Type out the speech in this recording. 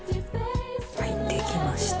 はいできました。